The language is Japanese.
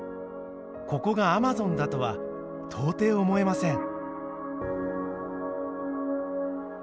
ここがアマゾンだとは到底思えません。